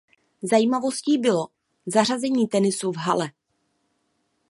Zajímavostí bylo zařazení tenisu v hale.